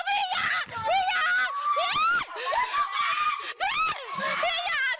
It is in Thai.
พี่ทั้งหมด